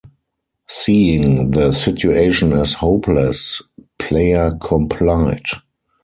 Seeing the situation as hopeless, Pleyer complied.